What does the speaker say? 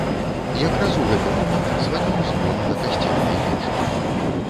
Якраз у гэты момант званіў звон на касцельнай вежы.